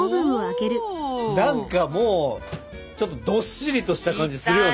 何かもうちょっとどっしりとした感じするよね。